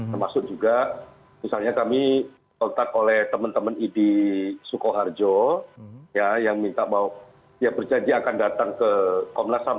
termasuk juga misalnya kami otak oleh teman teman idi sukoharjo yang minta bahwa ya berjanji akan datang ke komnas ham